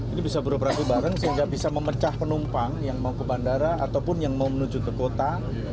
ini bisa beroperasi bareng sehingga bisa memecah penumpang yang mau ke bandara ataupun yang mau menuju ke kota